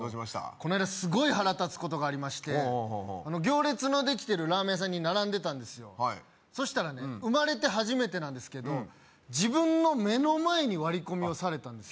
この間すごい腹立つことがありまして行列のできてるラーメン屋さんに並んでたんですよそしたらね生まれて初めてなんですけど自分の目の前に割り込みをされたんですよ